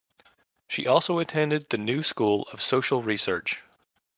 She also attended the New School of Social Research.